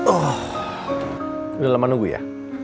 udah lama nunggu ya